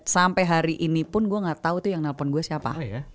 sampai hari ini pun gue gak tau tuh yang nelpon gue siapa